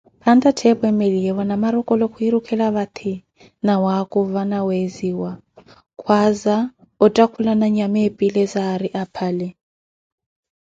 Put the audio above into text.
Panta Ttheepo eemeliye, Namarokolo khwirikhela vathi nawakuva na weziwa, khwaaza ottakhulana nyama epile zaariye apale.